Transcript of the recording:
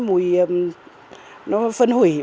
mùi nó phân hủy